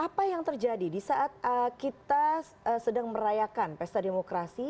apa yang terjadi di saat kita sedang merayakan pesta demokrasi